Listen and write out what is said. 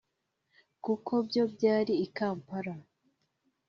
kuko byo byari i Kampala